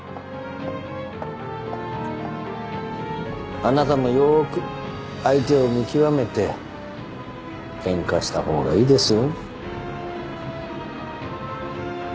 あなたもよーく相手を見極めてケンカした方がいいですよ。